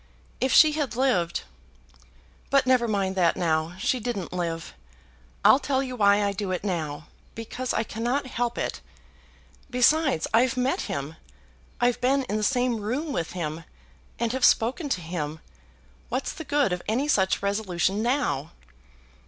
If she had lived . But never mind that now. She didn't live. I'll tell you why I do it now. Because I cannot help it. Besides, I've met him. I've been in the same room with him, and have spoken to him. What's the good of any such resolution now?"